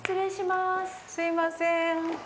すみません。